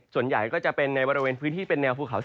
ส่วนใหญ่ก็จะเป็นในบริเวณพื้นที่เป็นแนวภูเขา